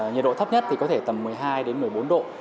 nhiệt độ thấp nhất thì có thể tầm một mươi hai đến một mươi bốn độ